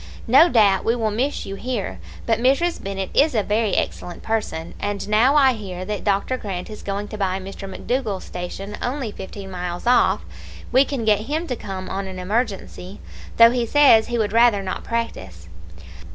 No doubt we will miss you here; but Mrs. Bennett is a very excellent person, and now I hear that Dr. Grant is going to buy Mr. McDougall's station, only fifteen miles off, we can get him to come on an emergency, though he says he would rather not practise.